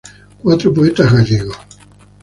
Cuatro poetas gallegos.